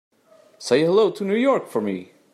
Say hello to New York for me.